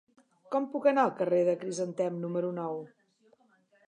Com puc anar al carrer del Crisantem número nou?